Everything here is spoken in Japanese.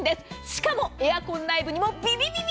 しかもエアコン内部にもビビビビビ。